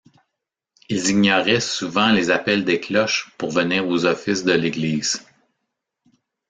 Ils ignoraient souvent les appels des cloches pour venir aux offices de l'église.